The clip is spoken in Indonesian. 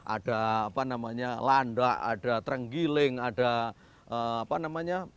ada apa namanya landak ada terenggiling ada apa namanya